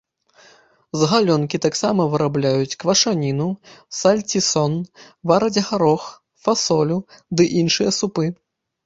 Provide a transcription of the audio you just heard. З галёнкі таксама вырабляюць квашаніну, сальцісон, вараць гарох, фасолю ды іншыя супы.